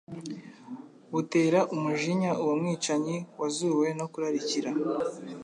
butera umujinya uwo mwicanyi wuzuwe no kurarikira.